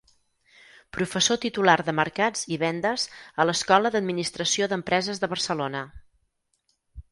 Professor titular de mercats i vendes a l'Escola d'Administració d'Empreses de Barcelona.